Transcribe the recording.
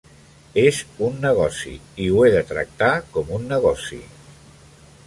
És un negoci, i ho he de tractar com un negoci.